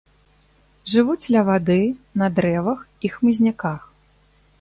Жывуць ля вады, на дрэвах і хмызняках.